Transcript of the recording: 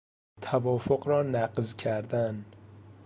توافق را نقض کردن